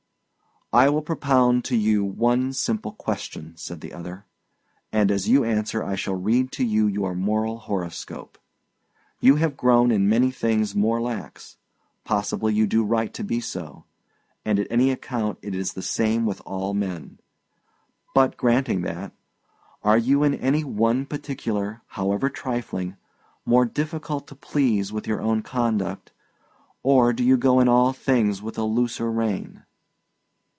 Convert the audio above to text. "I will propound to you one simple question," said the other; "and as you answer I shall read to you your moral horoscope. You have grown in many things more lax; possibly you do right to be so; and at any account, it is the same with all men. But granting that, are you in any one particular, however trifling, more difficult to please with your own conduct, or do you go in all things with a looser rein?"